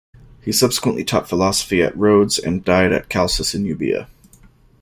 He subsequently taught philosophy at Rhodes, and died at Chalcis in Euboea.